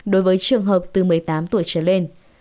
đối với trường hợp từ một mươi tám tuổi trở lên